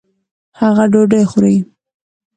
هغه ډوډۍ خوري.